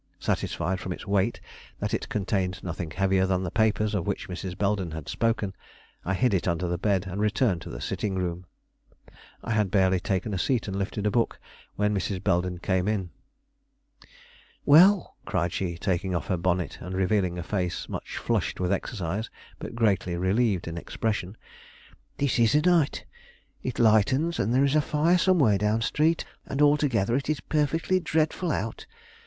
Satisfied from its weight that it contained nothing heavier than the papers of which Mrs. Belden had spoken, I hid it under the bed and returned to the sitting room. I had barely taken a seat and lifted a book when Mrs. Belden came in. "Well!" cried she, taking off her bonnet and revealing a face much flushed with exercise, but greatly relieved in expression; "this is a night! It lightens, and there is a fire somewhere down street, and altogether it is perfectly dreadful out.